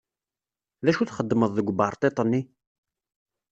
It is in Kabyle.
D acu txeddmeḍ deg uberṭiṭ-nni?